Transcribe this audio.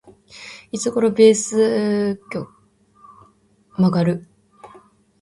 いつ頃ベース曲がる？